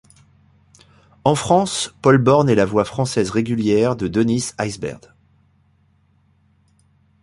En France, Paul Borne est la voix française régulière de Dennis Haysbert.